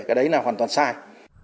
cái đấy là hoàn toàn sai